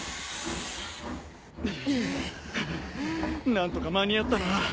ハァ何とか間に合ったな。